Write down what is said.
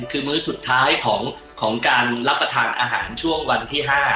คือมื้อสุดท้ายของการรับประทานอาหารช่วงวันที่๕